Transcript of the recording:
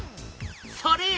それや！